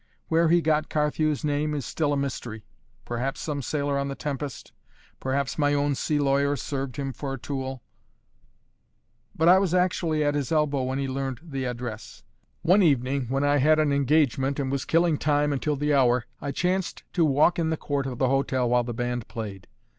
Where he got Carthew's name is still a mystery; perhaps some sailor on the Tempest, perhaps my own sea lawyer served him for a tool; but I was actually at his elbow when he learned the address. It fell so. One evening, when I had an engagement and was killing time until the hour, I chanced to walk in the court of the hotel while the band played.